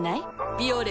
「ビオレ」